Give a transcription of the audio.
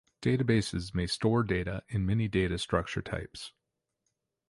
Databases may store data in many data structure types.